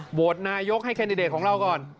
โหวตนายกให้แคนดิเดตของเราก่อน